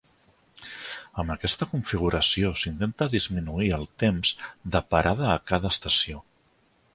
Amb aquesta configuració s'intenta disminuir el temps de parada a cada estació.